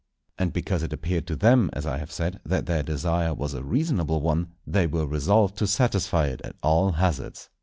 And because it appeared to them, as I have said, that their desire was a reasonable one, they were resolved to satisfy it at all hazards.